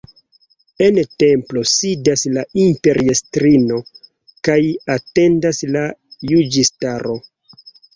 En templo sidas la imperiestrino kaj atendas la juĝistaro.